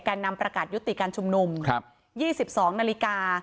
การนำประกาศยุติการชุมนุมครับยี่สิบสองนาฬิกา